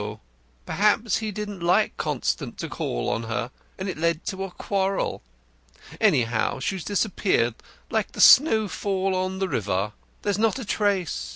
Perhaps he didn't like Constant to call on her, and it led to a quarrel. Anyhow, she's disappeared, like the snowfall on the river. There's not a trace.